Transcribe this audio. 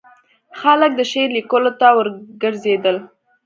خلک د شعر لیکلو ته وروګرځېدل.